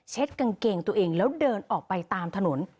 กางเกงตัวเองแล้วเดินออกไปตามถนน